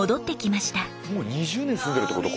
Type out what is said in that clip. ２０年住んでるってこと？